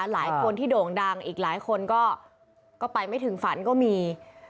หลายคนที่โด่งดังอีกหลายคนก็ไปไม่ถึงฝันก็มี